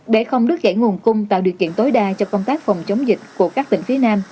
để không đứt gãy nguồn cung tạo điều kiện tối đa cho công tác phòng chống dịch của các tỉnh phía nam